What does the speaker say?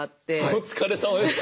お疲れさまです。